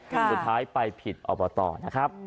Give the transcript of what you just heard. สุดท้ายไปผิดเอาเรือก่อนนะครับ